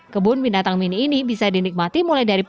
kebun binatang mini ini bisa dinikmati mulai dari